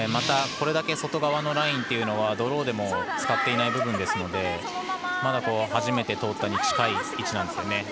これだけ外側のラインはまた、ドローでも使っていない部分ですのでまだ初めて通ったに近い位置なんですね。